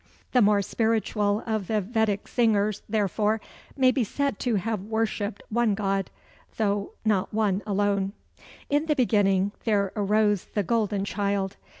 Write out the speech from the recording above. The more spiritual of the Vedic singers, therefore, may be said to have worshipped One God, though not One alone. "In the beginning there arose the Golden Child.